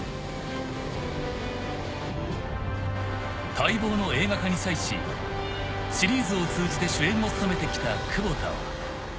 ［待望の映画化に際しシリーズを通じて主演を務めてきた窪田は］